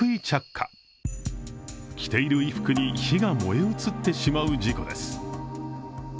着ている衣服に火が燃え移ってしまう事故です。